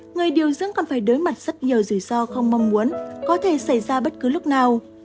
người điều dưỡng còn phải đối mặt rất nhiều rủi ro không mong muốn có thể xảy ra bất cứ lúc nào